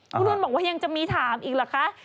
คุณนุ่นบอกว่ายังจะมีถามอีกเหรอคะ